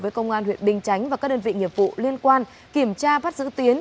với công an huyện bình chánh và các đơn vị nghiệp vụ liên quan kiểm tra bắt giữ tiến